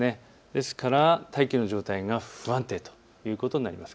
ですから大気の状態が不安定ということになります。